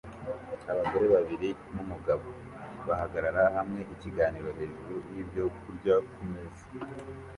Abagore babiri numugabo bahagarara hamwe ikiganiro hejuru yibyo kurya kumeza